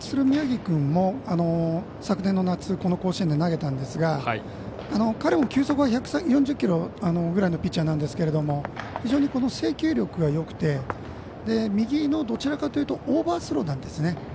今日先発する宮城君も昨年の夏この甲子園で投げたんですが彼も球速は１４０キロぐらいのピッチャーですが非常に制球力がよくて右のオーバースローなんですね。